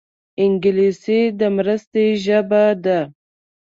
انګلیسي د مرستې ژبه ده